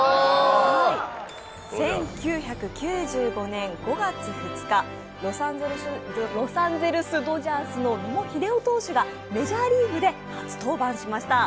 １９９５年５月２日、ロサンゼルス・ドジャースの野茂英雄投手が、メジャーリーグで初登板しました。